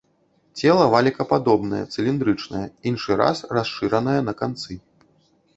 Цела валікападобнае, цыліндрычнае, іншы раз расшыранае на канцы.